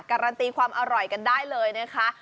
การันตีความอร่อยกันได้เลยนะคะ